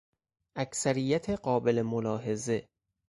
اکثریت قابل ملاحظه